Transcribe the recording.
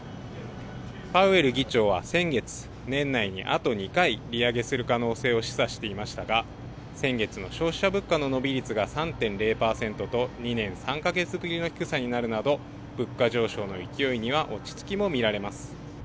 パウエル議長は先月、年内にあと２回利上げする可能性を示唆していましたが先月の消費者物価の伸び率が３．６％と２年３か月ぶりの低さになるなど物価上昇の勢いには落ち着きも見られます